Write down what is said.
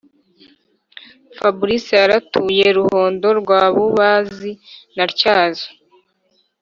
fabrice yaratuye Ruhondo rwa Bubazi na Tyazo